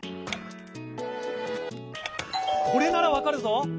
「これならわかるぞ！」。